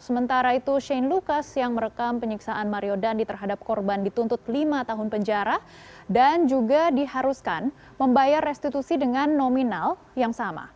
sementara itu shane lucas yang merekam penyiksaan mario dandi terhadap korban dituntut lima tahun penjara dan juga diharuskan membayar restitusi dengan nominal yang sama